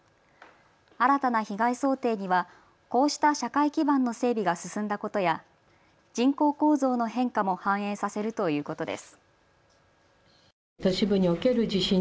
新たな被害想定にはこうした社会基盤の整備が進んだことや人口構造の変化も反映させるということです。